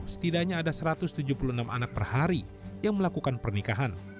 setidaknya ada satu ratus tujuh puluh enam anak per hari yang melakukan pernikahan